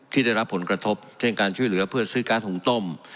ที่ได้รับผลกระทบเช่นการช่วยเหลือเพื่อซื้อก๊าซหุงต้ม